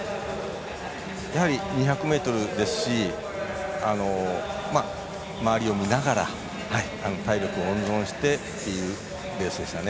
やはり２００ｍですし周りを見ながら体力を温存してというレースでしたね。